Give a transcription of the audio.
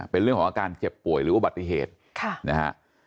เป็นเรื่องของอาการเจ็บป่วยหรืออุบัติเหตุนะฮะ